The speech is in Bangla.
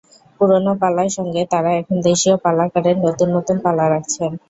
পুরোনো পালার সঙ্গে তাঁরা এখন দেশীয় পালাকারের নতুন নতুন পালা রাখছেন।